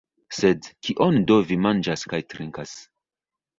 Sed kion do vi manĝas kaj trinkas?